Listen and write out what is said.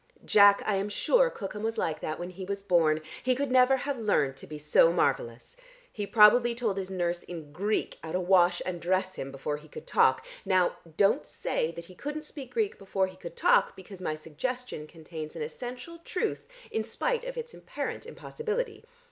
Jack, I am sure Cookham was like that when he was born; he could never have learned to be so marvellous. He probably told his nurse in Greek how to wash and dress him before he could talk. Now don't say that he couldn't speak Greek before he could talk, because my suggestion contains an essential truth in spite of its apparent impossibility.